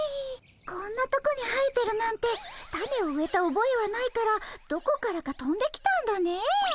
こんなとこに生えてるなんてたねを植えたおぼえはないからどこからかとんできたんだね。